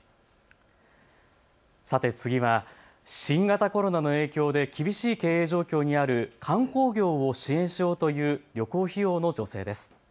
次は新型コロナの影響で厳しい経営状況にある観光業を支援しようという旅行費用の助成です。